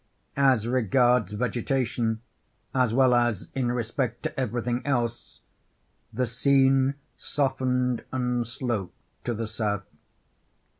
As regards vegetation, as well as in respect to every thing else, the scene softened and sloped to the south.